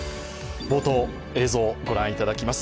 冒頭、映像をご覧いただきます。